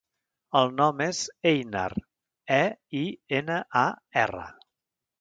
El nom és Einar: e, i, ena, a, erra.